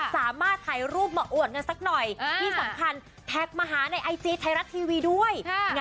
สามารถถ่ายรูปมาอวดกันสักหน่อย